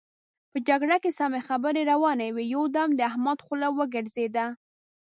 په جرګه کې سمې خبرې روانې وې؛ يو دم د احمد خوله وګرځېده.